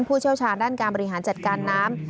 เชี่ยวชาญด้านการบริหารจัดการน้ำ